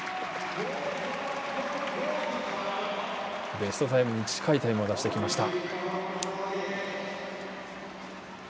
ベストタイムに近いタイム出してきました。